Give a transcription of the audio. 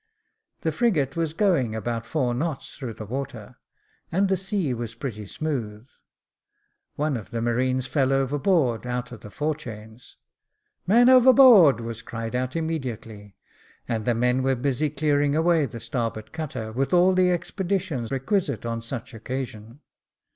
The frigate was going about four knots through the water, and the sea was pretty smooth. One of the marines fell overboard, out of the forechains. "Man overboard," was cried out immedi ately, and the men were busy clearing away the starboard cutter, with all the expedition requisite on such an occasion.